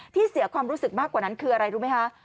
เสียความรู้สึกมากกว่านั้นคืออะไรรู้ไหมคะ